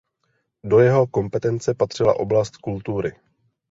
Do jeho kompetence patřila oblast kultury.